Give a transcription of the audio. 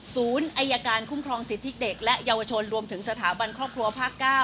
อายการคุ้มครองสิทธิเด็กและเยาวชนรวมถึงสถาบันครอบครัวภาค๙